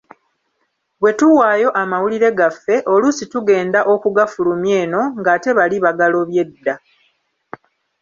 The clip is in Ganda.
Bwe tuwaayo amawulire gaffe, oluusi tugenda okugafulumya eno ng’ate bali bagalobye dda.